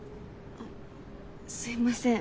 あっすみません。